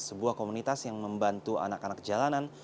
sebuah komunitas yang membantu anak anak jalanan